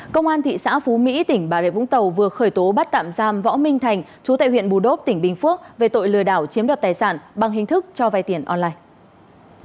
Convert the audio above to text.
công an thị xã phú mỹ tỉnh bà rịa vũng tàu vừa khởi tố bắt tạm giam võ minh thành chú tại huyện bù đốp tỉnh bình phước về tội lừa đảo chiếm đoạt tài sản bằng hình thức cho vay tiền online